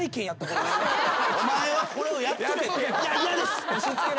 「お前はこれをやっとけ」